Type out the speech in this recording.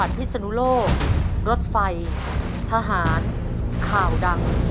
เดือดไฟทหารข่าวดัง